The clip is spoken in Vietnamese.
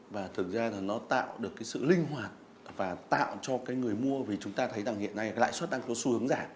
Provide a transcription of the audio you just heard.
và thực ra là nó tạo được sự linh hoạt và tạo cho người mua vì chúng ta thấy hiện nay lãi suất đang có xu hướng giảm